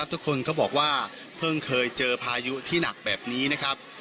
ทุกคนก็บอกว่าเพิ่งเคยเจอพายุที่หนักแบบนี้นะครับ